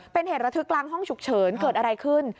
เป็นเหตุระทึกกลางห้องฉุกเฉินเกิดอะไรขึ้น